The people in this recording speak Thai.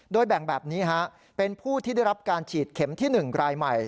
โดยแบ่งแบบนี้เป็นผู้ที่ได้รับการฉีดเข็มที่๑รายใหม่